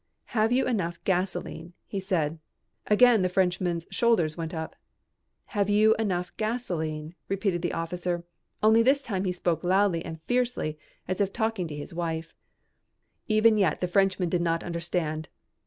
"Have you enough gasoline?" he said. Again the Frenchman's shoulders went up. "Have you enough gasoline?" repeated the officer, only this time he spoke loudly and fiercely as if talking to his wife. Even yet the Frenchman did not understand.